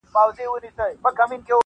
په هینداره کي د ځان په تماشا وه -